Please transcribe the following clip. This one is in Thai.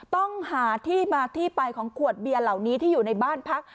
ต้องหาที่มาที่ไปของขวดเบียร์เหล่านี้ที่อยู่ในบ้านพัก